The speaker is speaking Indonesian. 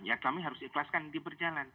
ya kami harus ikhlaskan di berjalan